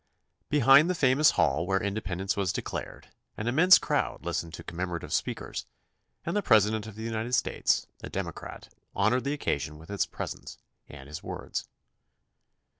Behind the famous hall where independence was declared an immense crowd listened to commemorative speakers, and the President of the United States, a Democrat, honored the occasion with his presence and his words.